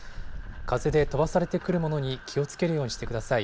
風で飛ばされてくるものに気をつけるようにしてください。